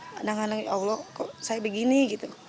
kadang kadang ya allah kok saya begini gitu